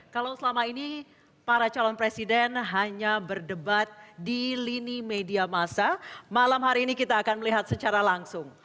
kalau selama ini para calon presiden hanya berdebat di lini media masa malam hari ini kita akan melihat secara langsung